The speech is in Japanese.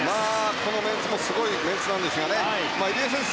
このメンツもすごいメンツなんですが入江選手